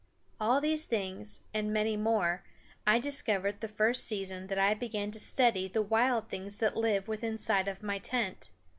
All these things, and many more, I discovered the first season that I began to study the wild things that lived within sight of my tent.